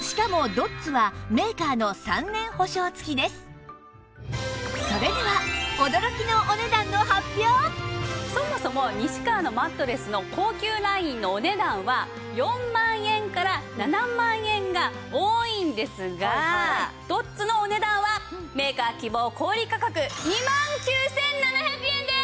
しかもドッツはそれではそもそも西川のマットレスの高級ラインのお値段は４万円から７万円が多いんですがドッツのお値段はメーカー希望小売価格２万９７００円です！